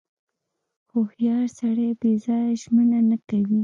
• هوښیار سړی بې ځایه ژمنه نه کوي.